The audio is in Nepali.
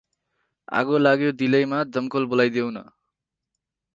आगो लाग्यो दिलैमा, दमकल बोलाइदेउन ।